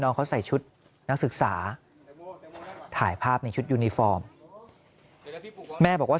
เขาใส่ชุดนักศึกษาถ่ายภาพในชุดยูนิฟอร์มแม่บอกว่า